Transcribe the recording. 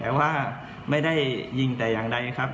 แต่ว่าไม่ได้ยิงแต่อย่างใดครับ